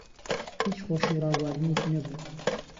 هیچ خۆشی و ڕابواردنێکی نەبوو